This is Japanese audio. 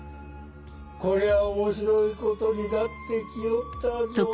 こりゃあ面白いことになって来よったぞ！